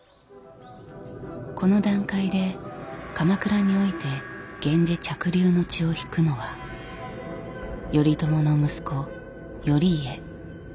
この段階で鎌倉において源氏嫡流の血を引くのは頼朝の息子頼家千幡。